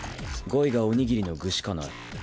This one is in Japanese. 語彙がおにぎりの具しかない。